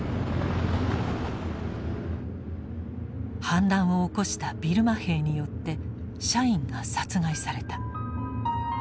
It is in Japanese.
反乱を起こしたビルマ兵によって社員が殺害された。